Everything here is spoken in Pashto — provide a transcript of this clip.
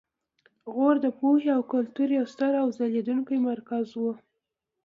غور د پوهې او کلتور یو ستر او ځلیدونکی مرکز و